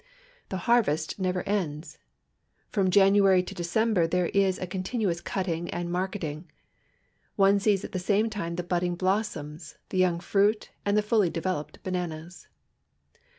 The harvest never ends. From January to December there is a continuous cutting and marketing. One sees at the same time the budding blossoms, the young fruit, and the fully developed bananas.